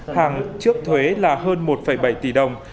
hàng trước thuế là hơn một bảy tỷ đồng